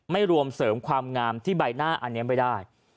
ไม่รวมเสริมความงามที่ใบหน้าอันนี้ไม่ได้